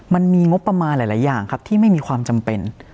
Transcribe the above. มันมีงบประมาณหลายอย่างครับที่ไม่มีความจำเป็น